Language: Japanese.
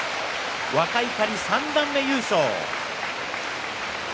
若碇、三段目優勝。